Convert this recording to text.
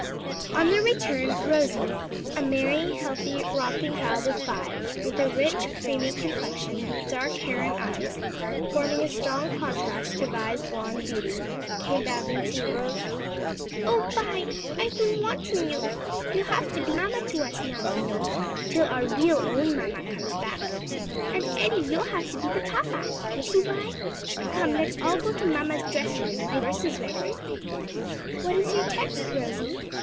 On their return Rosie, a merry, healthy, romping child of five, with a rich creamy complexion, dark hair and eyes, forming a strong contrast to Vi's blonde beauty, came bounding to meet them. "O, Vi, I've been wanting you! you'll have to be mamma to us now, you know, till our real own mamma comes back. And, Eddie, you'll have to be the papa. Won't he, Vi? Come, let's all go to mamma's dress room; my verse is ready." "What is your text, Rosie?"